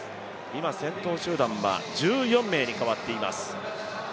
今、先頭集団は１４名に変わっています。